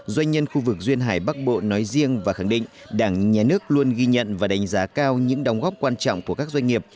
doanh nhân khu vực duyên hải bắc bộ nói riêng và khẳng định đảng nhà nước luôn ghi nhận và đánh giá cao những đóng góp quan trọng của các doanh nghiệp